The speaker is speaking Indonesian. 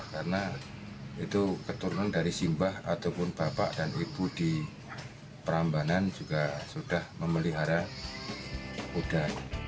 karena itu keturunan dari simbah ataupun bapak dan ibu di perambanan juga sudah memelihara kuda